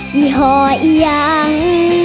ยี่ห่อยยัง